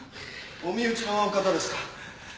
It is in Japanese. お身内の方ですか？